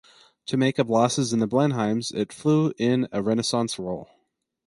To make up losses in the Blenheims it flew in a reconnaissance role.